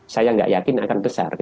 saya nggak yakin akan besar